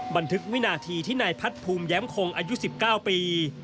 บันทึกวินาทีที่นายพัดภูมิแย้มคงอายุ๑๙ปี